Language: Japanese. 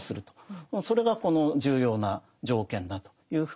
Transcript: それがこの重要な条件だというふうに考えてるわけです。